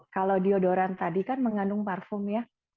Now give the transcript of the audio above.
kalau diodoran tadi kan mengandung parfum ya